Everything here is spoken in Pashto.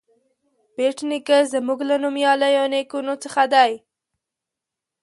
بېټ نیکه زموږ له نومیالیو نیکونو څخه دی.